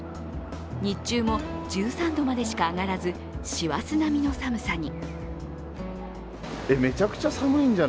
日中も１３度までしか上がらず師走並みの寒さに。